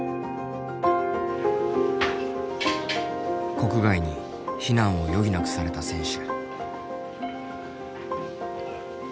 国外に避難を余儀なくされた選手。